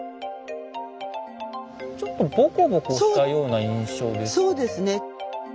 ちょっとぼこぼこしたような印象ですね。